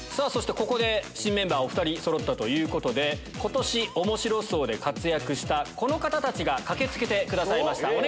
そしてここで新メンバーお２人そろったということで今年『おもしろ荘』で活躍したこの方たちが駆け付けてくださいました！